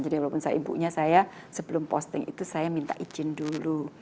jadi walaupun saya ibunya saya sebelum posting itu saya minta izin dulu